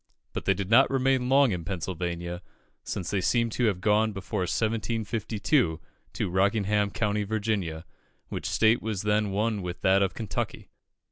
But they did not remain long in Pennsylvania, since they seem to have gone before 1752 to Rockingham, County Virginia, which state was then one with that of Kentucky.